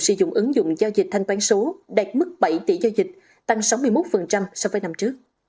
sử dụng ứng dụng giao dịch thanh toán số đạt mức bảy tỷ giao dịch tăng sáu mươi một so với năm trước